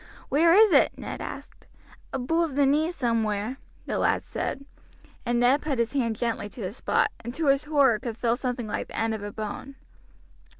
"Where is it?" Ned asked. "Aboove the knee somewhere," the lad said, and Ned put his hand gently to the spot, and to his horror could feel something like the end of a bone.